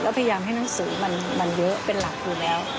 ก็พยายามให้หนังสือมันเยอะเป็นหลักอยู่แล้ว